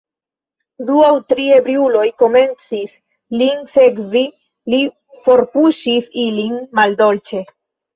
Du aŭ tri ebriuloj komencis, lin sekvi: li forpuŝis ilin maldolĉe.